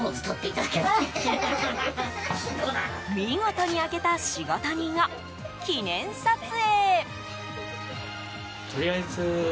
見事に開けた仕事人を記念撮影。